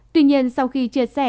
tuy nhiên sau khi chia sẻ